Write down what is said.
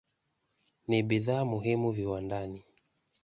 Ni bidhaa muhimu viwandani.